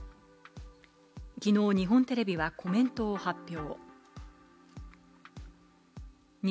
きのう日本テレビはコメントを発表。